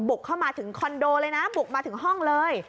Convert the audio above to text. เข้ามาถึงคอนโดเลยนะบุกมาถึงห้องเลย